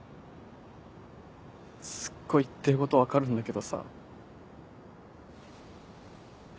すっごい言ってること分かるんだけどさ。